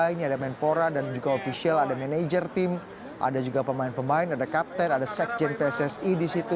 ini ada menpora dan juga ofisial ada manajer tim ada juga pemain pemain ada kapten ada sekjen pssi di situ